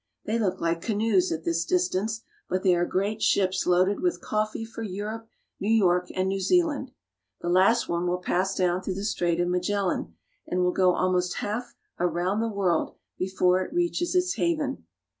They look like canoes at this distance, but they are great ships loaded with coffee for Europe, New York, and New Zealand. The last one will pass down through the Strait of Magel lan, and will go almost half around the world before it reaches its haven.